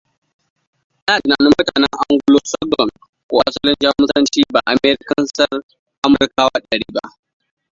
Ana tunanin mutanen Anglo-Saxon ko asalin Jamusanci ba Americansar Amurkawa dari ba.